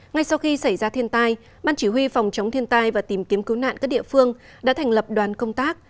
ngay sau khi xảy ra thiên tai ban chỉ huy phòng chống thiên tai và tìm kiếm cứu nạn các địa phương đã thành lập đoàn công tác